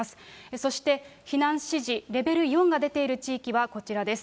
そして、避難指示、レベル４が出ている地域はこちらです。